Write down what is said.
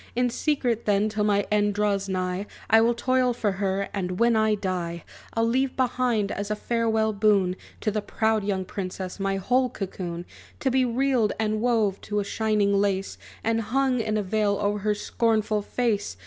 In secret then, till my end draws nigh, I will toil for her; and when I die, I'll leave behind, as a farewell boon To the proud young princess, my whole cocoon, To be reeled, and wove to a shining lace, And hung in a veil o'er her scornful face!